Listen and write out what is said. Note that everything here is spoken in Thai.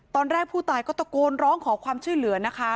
ตอนแรกผู้ตายก็ตะโกนร้องขอความช่วยเหลือนะคะ